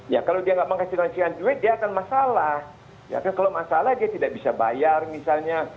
ya kalau dia enggak menghasilkan sekian duit dia akan masalah ya kan kalau masalah dia tidak bisa bayar misalnya